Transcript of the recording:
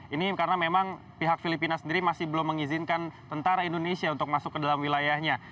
ini karena memang pihak filipina sendiri masih belum mengizinkan tentara indonesia untuk masuk ke dalam wilayahnya